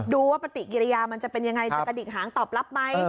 ดูว่าปฏิกิริยามันจะเป็นยังไงจะกระดิกหางตอบรับไหม